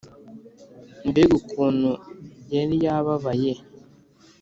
Mbega ukuntu yari yababaye!